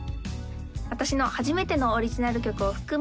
私の初めてのオリジナル曲を含む